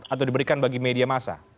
atau diberikan bagi media massa